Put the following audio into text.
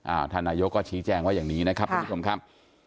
อ่าธนายก็ชี้แจ้งไว้อย่างนี้นะครับคุณผู้ชมครับ